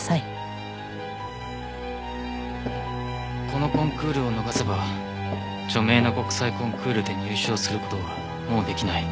このコンクールを逃せば著名な国際コンクールで入賞する事はもうできない。